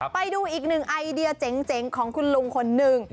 ไปดูอีกหนึ่งไอเดียเจ๋งของคุณลุงคนหนึ่ง